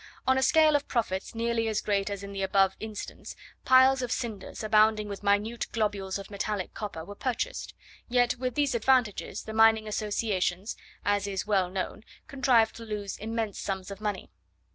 On a scale of profits nearly as great as in the above instance, piles of cinders, abounding with minute globules of metallic copper, were purchased; yet with these advantages, the mining associations, as is well known, contrived to lose immense sums of money.